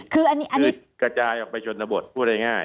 คือกระจายออกไปชนบทพูดได้ง่าย